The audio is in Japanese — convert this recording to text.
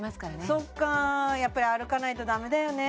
そっかやっぱり歩かないと駄目だよね